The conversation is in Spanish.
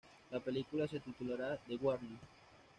La película se titulará "The Warning".